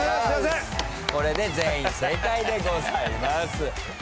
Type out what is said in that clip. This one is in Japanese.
これで全員正解でございます。